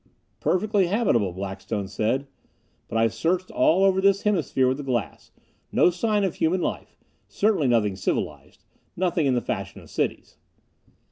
"Perfectly habitable," Blackstone said. "But I've searched all over this hemisphere with the glass. No sign of human life certainly nothing civilized nothing in the fashion of cities."